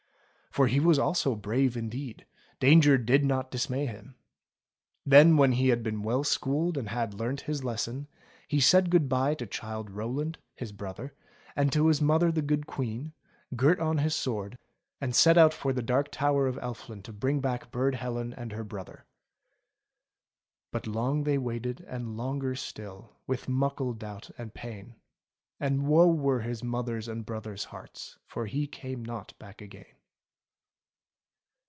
For he also was brave indeed, danger did not dis may him. Then when he had been well schooled and had learnt his lesson, he said good bye to Childe Rowland, his brother. CHILDE ROWLAND 279 and to his mother the good Queen, girt on his sword, and set out for the Dark Tower of Elfland to bring back Burd Helen and her brother. But long they waited, and longer still. With muckle doubt and pain. And woe were his mother's and brother's heartSy For he came not back again.